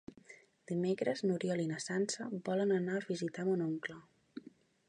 Dimecres n'Oriol i na Sança volen anar a visitar mon oncle.